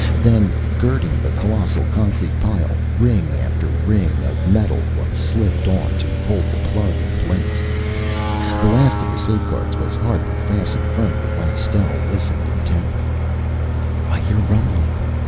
Then, girding the colossal concrete pile, ring after ring of metal was slipped on, to hold the plug in place. The last of the safeguards was hardly fastened firmly when Estelle listened intently. "I hear a rumbling!"